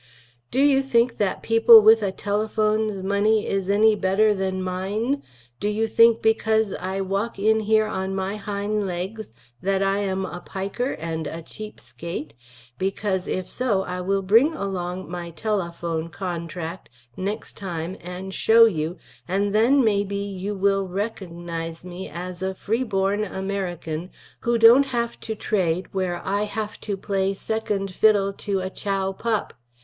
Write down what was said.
Do you think that people with a telapfhone's munny is any better than mine, do you think because I walk in here on my hine leggs that I am a piker & a cheep skait, becuase if so I will bring along my telapfhone contract nex time & show you & then may be you will reckonnize me as a free born amerrican who dont haff to traid where I haff to play 2d fiddle to a chow pupp.